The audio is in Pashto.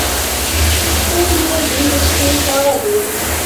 هورې يې ډېرې شپې کولې.